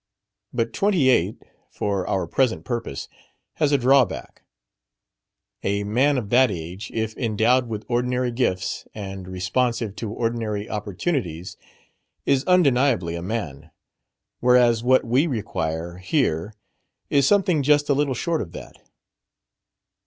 But twenty eight, for our present purpose, has a drawback: a man of that age, if endowed with ordinary gifts and responsive to ordinary opportunities, is undeniably a man; whereas what we require here is something just a little short of that.